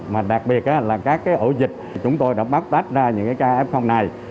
mà đặc biệt là các cái ổ dịch chúng tôi đã bắt tách ra những cái ca f này